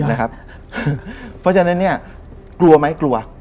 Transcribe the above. เพราะฉะนั้นกลัวไหมกลัว